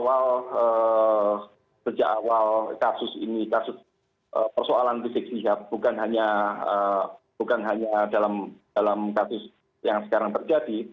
awal sejak awal kasus ini kasus persoalan rizik sihab bukan hanya dalam kasus yang sekarang terjadi